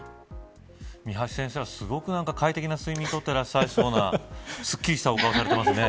三橋先生は、すごく快適な睡眠とっていらっしゃいそうなすっきりしたお顔をされていますね。